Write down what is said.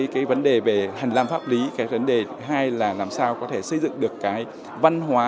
cái vấn đề về hành lang pháp lý cái vấn đề thứ hai là làm sao có thể xây dựng được cái văn hóa